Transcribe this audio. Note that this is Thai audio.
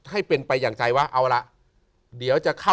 ตายเลยนะ